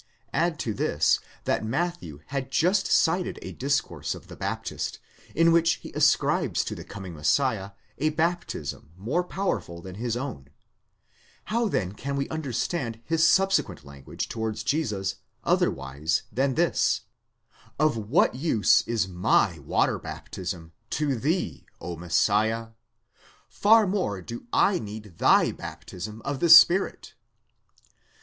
Add to this, that Matthew had just cited a discourse of the Baptist, in which he ascribes to the coming Messiah a baptism more powerful than his own; how then can we understand his subsequent language towards Jesus otherwise than thus: " Of what use is my water baptism to thee, O Messiah? Far more do I need thy baptism of the Spirit